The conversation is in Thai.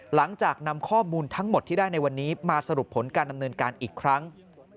นำข้อมูลทั้งหมดที่ได้ในวันนี้มาสรุปผลการดำเนินการอีกครั้ง